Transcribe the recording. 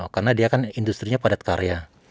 karena dia kan industri padat karya